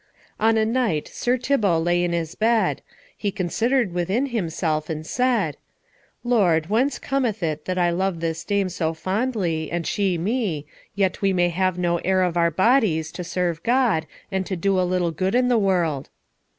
On a night Sir Thibault lay in his bed. He considered within himself and said, "Lord, whence cometh it that I love this dame so fondly, and she me, yet we may have no heir of our bodies to serve God and to do a little good in the world?"